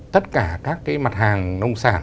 tất cả các cái mặt hàng nông sản